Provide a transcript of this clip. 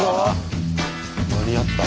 間に合った。